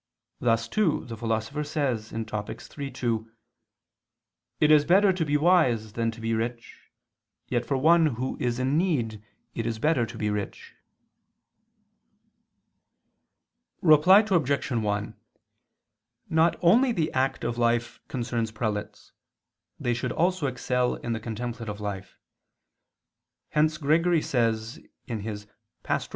Thus too the Philosopher says (Topic. iii, 2): "It is better to be wise than to be rich, yet for one who is in need, it is better to be rich ..." Reply Obj. 1: Not only the active life concerns prelates, they should also excel in the contemplative life; hence Gregory says (Pastor.